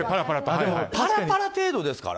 でもパラパラ程度ですから。